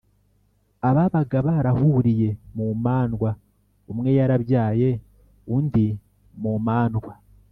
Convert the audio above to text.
Ababaga barahuriye mu mandwa, umwe yarabyaye undi mu mandwa,